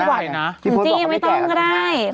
ไม่หวัดนะจริงไม่ต้องก็ได้